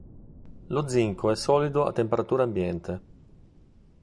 Lo zinco è solido a temperatura ambiente.